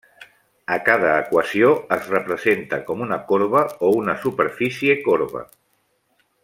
A cada equació es representa com una corba o una superfície corba.